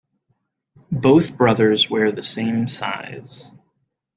Both brothers wear the same size.